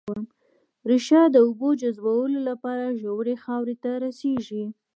ريښه د اوبو جذبولو لپاره ژورې خاورې ته رسېږي